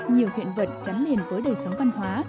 nhiều hiện vật gắn liền với đời sống văn hóa